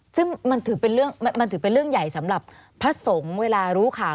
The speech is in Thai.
ซึ่งมันถือเป็นเรื่องใหญ่สำหรับพระสงฆ์เวลารู้ข่าว